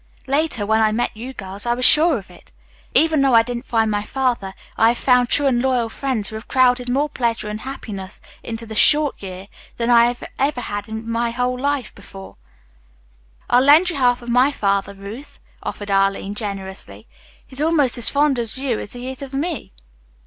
Later, when I met you girls, I was sure of it. Even though I didn't find my father, I found true and loyal friends who have crowded more pleasure and happiness into one short year than I ever had in all my life before." "I'll lend you half of my father, Ruth," offered Arline generously. "He is almost as fond of you as he is of me.